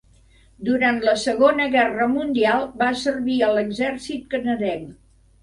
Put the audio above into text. Durant la Segona Guerra Mundial va servir a l'exèrcit canadenc.